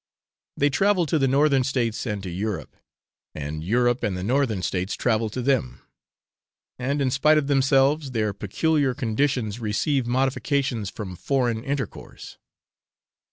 They travel to the Northern States, and to Europe; and Europe and the Northern States travel to them; and in spite of themselves, their peculiar conditions receive modifications from foreign intercourse.